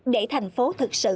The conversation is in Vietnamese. để thành phố thực sự